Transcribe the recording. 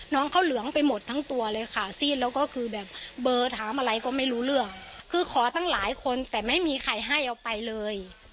น้องเขาเหลืองไปหมดทั้งตัวเลยค่ะสิ้นแล้วก็คือแบบเบอร์ถามอะไรก็ไม่รู้เรื่องคือขอตั้งหลายคนแต่ไม่มีใครให้เอาไปเลย